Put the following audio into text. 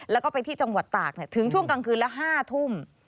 แล้วก็ไปที่จังหวัดตากถึงช่วงกลางคืนละ๕ทุ่ม